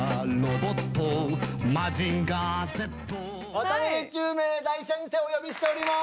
渡辺宙明大先生お呼びしております！